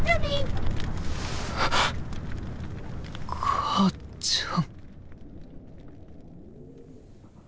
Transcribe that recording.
母ちゃん！